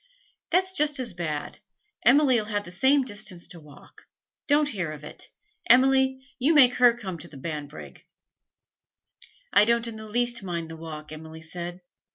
'That's just as bad. Emily 'll have the same distance to walk. Don't hear of it, Emily; you make her come to Banbrigg!' 'I don't in the least mind the walk,' Emily said.